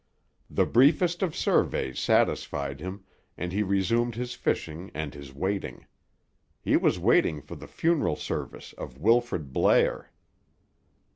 The briefest of surveys satisfied him, and he resumed his fishing and his waiting. He was waiting for the funeral service of Wilfrid Blair.